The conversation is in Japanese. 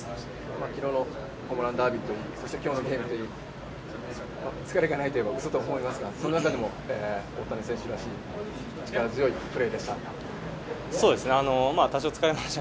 昨日のホームランダービーといいそして、今日のゲームといい疲れがないといえば嘘になると思いますがその中でも大谷選手らしい力強いプレーでした。